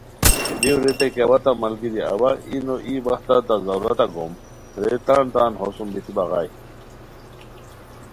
دیو ریتائے کی اوا تہ ملگیری اوا ای نو ای وختہ تہ ضرورتہ گوم رے تان تان ہوسوم بیتی بغائے